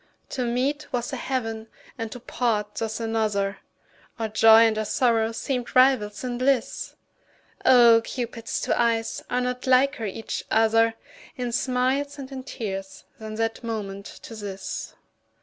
To meet was a heaven and to part thus another, Our joy and our sorrow seemed rivals in bliss; Oh! Cupid's two eyes are not liker each other In smiles and in tears than that moment to this.